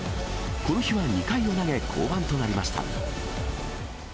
この日は２回を投げ、降板となりました。